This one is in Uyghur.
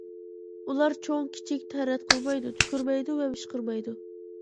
ئۇلار چوڭ-كىچىك تەرەت قىلمايدۇ، تۈكۈرمەيدۇ ۋە مىشقىرمايدۇ.